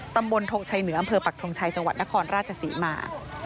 ทงชัยเหนืออำเภอปักทงชัยจังหวัดนครราชศรีมา